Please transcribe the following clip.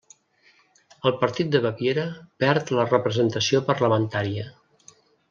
El Partit de Baviera perd la representació parlamentària.